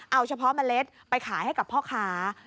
เอาเฉพาะเมล็ดไปขายให้กับพ่อค้า